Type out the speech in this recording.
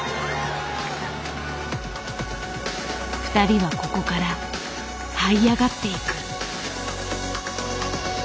ふたりはここからはい上がっていく。